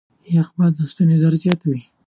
يخ باد د ستوني درد زياتوي.